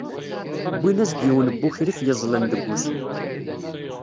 Wwin-as-d yiwen n wukrif yeẓẓlen deg wusu.